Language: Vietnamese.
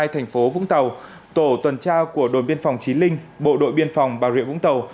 thành phố vũng tàu tổ tuần tra của đồn biên phòng trí linh bộ đội biên phòng bà rịa vũng tàu